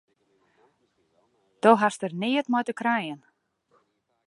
Do hast der neat mei te krijen!